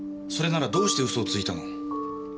それならどうして嘘をついたの？